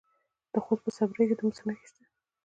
د خوست په صبریو کې د مسو نښې شته.